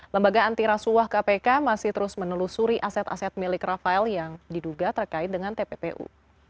lembaga antirasuah kpk masih terus menelusuri aset aset milik rafael yang diduga terkait dengan tppu